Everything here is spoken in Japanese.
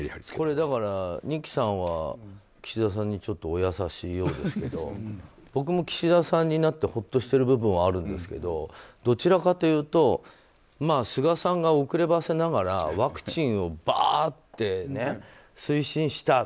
だから、二木さんは岸田さんにお優しいようですけど僕も岸田さんになってほっとしてる部分はあるんですけどどちらかというと菅さんが遅ればせながらワクチンをばーっと推進した。